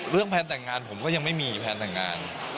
แพลนแต่งงานผมก็ยังไม่มีแพลนแต่งงาน